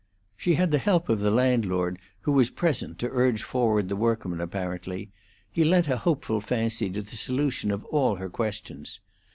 She had the help of the landlord, who was present to urge forward the workmen apparently; he lent a hopeful fancy to the solution of all her questions.